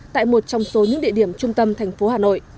tại một trong số những địa điểm trung tâm thành phố hà nội